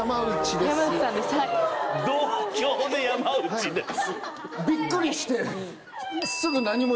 同郷で山内です。